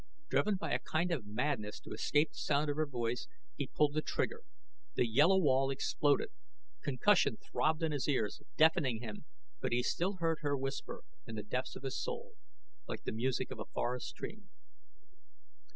Driven by a kind of madness to escape the sound of her voice, he pulled the trigger. The yellow wall exploded. Concussion throbbed in his ears, deafening him but he still heard her whisper in the depths of his soul, like the music of a forest stream.